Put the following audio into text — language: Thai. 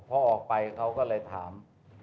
พอออกไปเขาก็เลยถาม